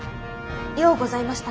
ようございましたな。